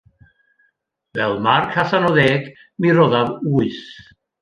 Fel marc allan o ddeg mi roddaf wyth